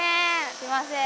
すいません。